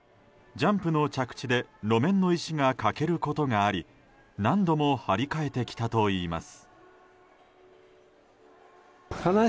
ジャンプの着地で路面の石が欠けることがあり何度も張り替えてきたといいます。